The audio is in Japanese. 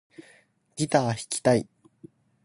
ギター弾きたい